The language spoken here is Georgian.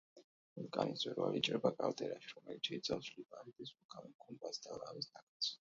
ვულკანის მწვერვალი იჭრება კალდერაში, რომელიც შეიცავს ლიპარიტის ვულკანურ გუმბათს და ლავის ნაკადს.